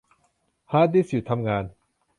ฮาร์ดดิสก์หยุดทำงาน